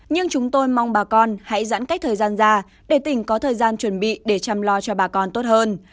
nhưng chúng tôi mong bà con hãy giãn cách thời gian ra để tỉnh có thời gian chuẩn bị để chăm lo cho bà con tốt hơn